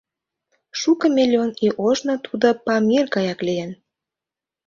Шуко миллион ий ожно тудо Памир гаяк лийын.